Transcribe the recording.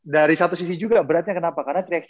dari satu sisi juga beratnya kenapa karena tiga x tiga